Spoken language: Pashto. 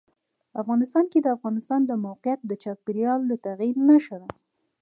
افغانستان کې د افغانستان د موقعیت د چاپېریال د تغیر نښه ده.